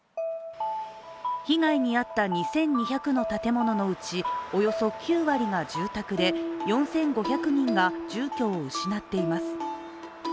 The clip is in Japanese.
被害に遭った２２００の建物のうちおよそ９割が住宅で４５００人が住居を失っています。